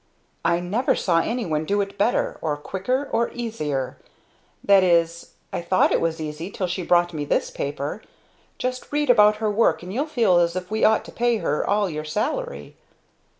"I never saw anyone do it better, or quicker, or easier. That is, I thought it was easy till she brought me this paper. Just read about her work, and you'll feel as if we ought to pay her all your salary."